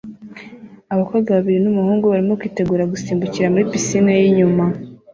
Abakobwa babiri n'umuhungu barimo kwitegura gusimbukira muri pisine yinyuma